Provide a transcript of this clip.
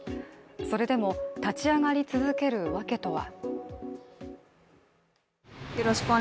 それでも立ち上がり続けるわけとは。